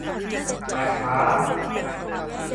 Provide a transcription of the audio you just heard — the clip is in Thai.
มาช้า